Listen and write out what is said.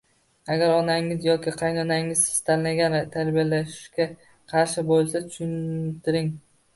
Agar onangiz yoki qaynonangiz siz tanlagan tarbiyalashga qarshi bo'lsa, tusuntiring.